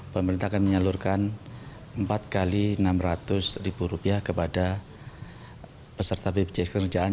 pemerintah akan menyeluruhkan empat kali enam ratus ribu rupiah kepada peserta bpjs ketenagakerjaan